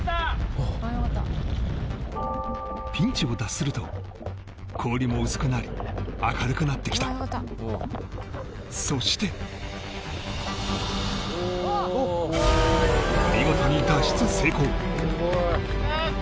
ピンチを脱すると氷も薄くなり明るくなってきたそして見事に脱出成功